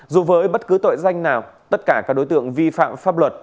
dù với bất cứ tội danh nào tất cả các đối tượng vi phạm pháp luật